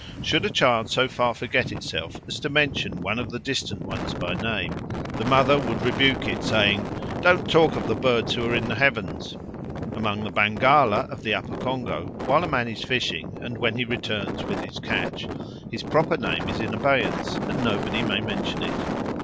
Should a child so far forget itself as to mention one of the distant ones by name, the mother would rebuke it, saying, "Don't talk of the birds who are in the heavens." Among the Bangala of the Upper Congo, while a man is fishing and when he returns with his catch, his proper name is in abeyance and nobody may mention it.